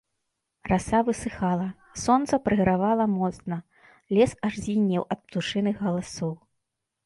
Раса высыхала, сонца прыгравала моцна, лес аж звінеў ад птушыных галасоў.